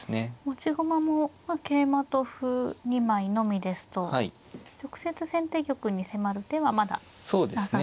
持ち駒も桂馬と歩２枚のみですと直接先手玉に迫る手はまだなさそうですか。